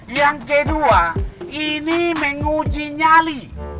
yang kedua ini menguji nyali